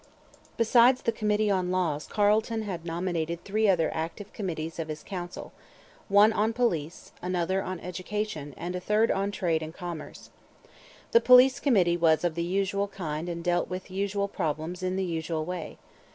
Besides the committee on laws Carleton had nominated three other active committees of his council, one on police, another on education, and a third on trade and commerce. The police committee was of the usual kind and dealt with usual problems in the usual way.